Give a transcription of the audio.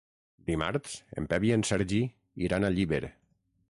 Dimarts en Pep i en Sergi iran a Llíber.